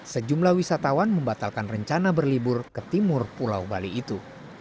sejumlah wisatawan membatalkan rencana berlibur ke timur pulau bali itu